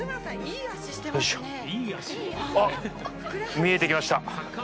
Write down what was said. おっ、見えてきました。